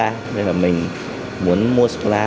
vậy là mình muốn mua sô cô la